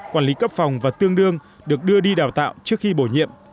quản lý cấp phòng và tương đương được đưa đi đào tạo trước khi bổ nhiệm